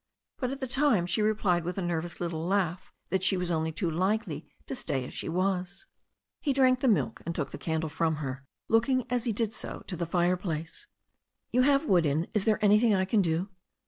But at the time she replied with a nervous little laugh, that she was only too likely to stay as she was. He drank the milk and took the candle from her^ looking as he did so to the fireplace. "You have wood in. Is there anything I can do?"